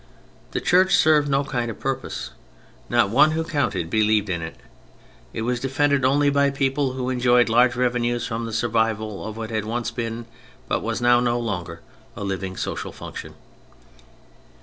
The Church served no kind of purpose, no one who counted believed in it, it was defended only by people who enjoyed large revenues from the survival of what had once been, but was now no longer, a living, social function.